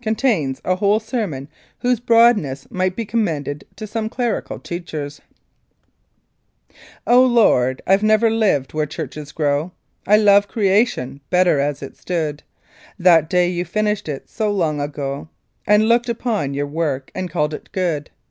contains a whole sermon whose broadness might be commended to some clerical teachers : Lord, I've never lived where churches grow; I love creation better as it stood That day You finished it so long ago, And looked upon Your work and called it good.